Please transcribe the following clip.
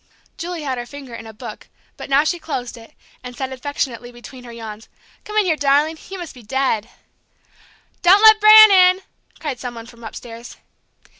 Julie had her finger in a book, but now she closed it, and said affectionately between her yawns: "Come in here, darling! You must be dead." "Don't let Bran in," cried some one from upstairs.